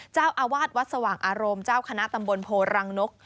เจ้าอาวาสวัดสว่างอารมณ์เจ้าคณะตำบลโพรังนก